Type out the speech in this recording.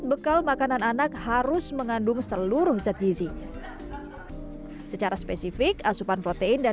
bekal makanan anak harus mengandung seluruh zat gizi secara spesifik asupan protein dan